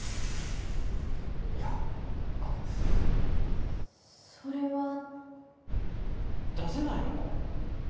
いやあのそれは出せないの？